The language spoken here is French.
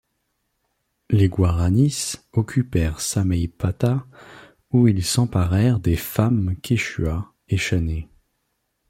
Les Guaranis occupèrent Samaipata où ils s'emparèrent des femmes quechuas et chanés.